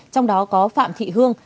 trong đó có phạm thị hương